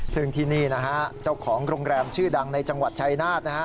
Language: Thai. ซึ่งที่นี่นะฮะเจ้าของโรงแรมชื่อดังในจังหวัดชายนาฏนะฮะ